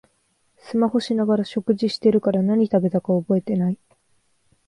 スマホしながら食事してるから何食べたか覚えてない